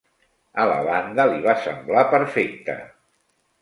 A la banda li va semblar perfecte.